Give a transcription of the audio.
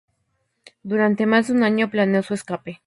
Durante más de un año planeó su escape.